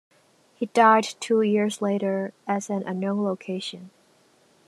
He died two years later at an unknown location.